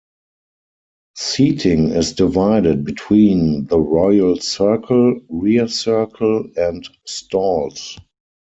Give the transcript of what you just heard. Seating is divided between the Royal Circle, Rear Circle and Stalls.